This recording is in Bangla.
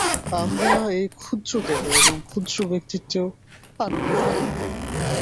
আমরা এই ক্ষুদ্র দেহে এবং ক্ষুদ্র ব্যক্তিত্বেও আনন্দ পাই।